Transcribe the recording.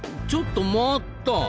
ちょっと待った！